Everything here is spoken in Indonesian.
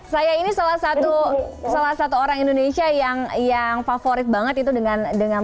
saya ini salah satu orang indonesia yang yang favorit banget itu dengan